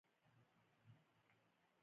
ایا زه باید ماشوم ته اوسپنه ورکړم؟